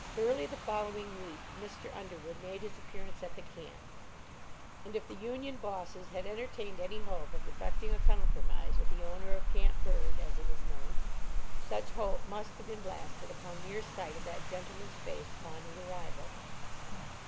Early the following week Mr. Underwood made his appearance at the camp, and if the union bosses had entertained any hope of effecting a compromise with the owner of Camp Bird, as it was known, such hope must have been blasted upon mere sight of that gentleman's face upon his arrival.